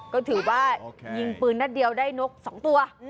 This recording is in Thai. ก็ถือว่ายิงปืนนัดเดียวได้นก๒ตัว